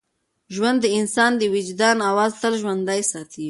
ژوند د انسان د وجدان اواز تل ژوندی ساتي.